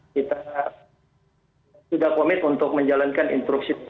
kita sudah komit untuk menjalankan instruksi